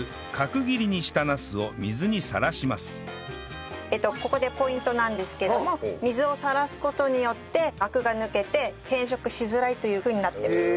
まずここでポイントなんですけれども水をさらす事によってアクが抜けて変色しづらいというふうになってます。